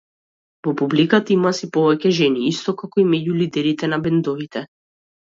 Во публиката има сѐ повеќе жени, исто како и меѓу лидерите на бендовите.